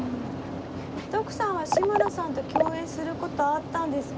徳さんは志村さんと共演する事あったんですか？